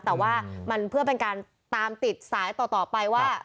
แต่ว่ามันเพื่อเป็นการตามติดสายต่อไปว่า